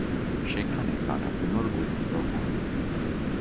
সেখানে তারা পুনর্গঠিত হন।